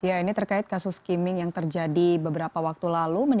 ya ini terkait kasus skimming yang terjadi beberapa waktu lalu